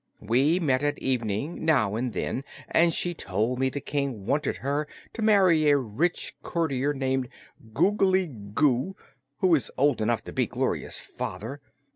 We met at evening, now and then, and she told me the King wanted her to marry a rich courtier named Googly Goo, who is old enough to be Gloria's father.